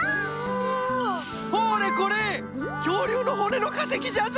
ほれこれきょうりゅうのほねのかせきじゃぞ。